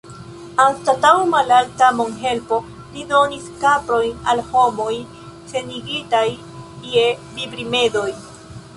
Anstataŭ malalta monhelpo, li donis kaprojn al homoj senigitaj je vivrimedoj.